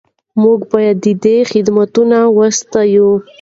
موږ باید د ده خدمتونه وستایو.